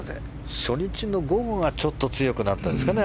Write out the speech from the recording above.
初日の午後がちょっと強くなったんですかね。